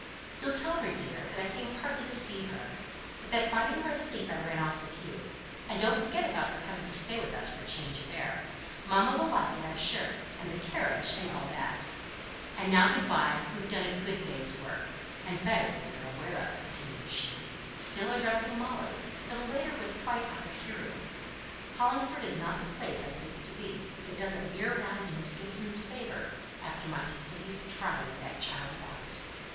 "You'll tell her, dear, that I came partly to see her but that finding her asleep, I ran off with you, and don't forget about her coming to stay with us for change of air mamma will like it, I'm sure and the carriage, and all that. And now good by, we've done a good day's work! And better than you're aware of," continued she, still addressing Molly, though the latter was quite out of hearing. "Hollingford is not the place I take it to be, if it doesn't veer round in Miss Gibson's favour after my to day's trotting of that child about."